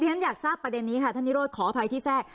ฉันอยากทราบประเด็นนี้ค่ะท่านนิโรธขออภัยที่แทรก